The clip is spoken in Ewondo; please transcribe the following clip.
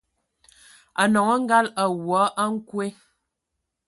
A nɔŋɔ ngal a woa a nkwe.